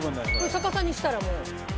逆さにしたらもう。